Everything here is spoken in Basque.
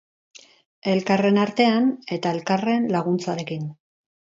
Elkarren artean eta elkarren laguntzarekin.